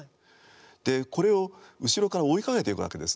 でこれを後ろから追いかけていくわけですね。